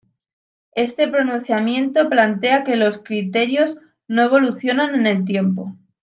Este pronunciamiento plantea que los criterios no evolucionan en el tiempo.